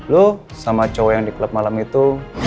lu sama cowok yang di klub malam itu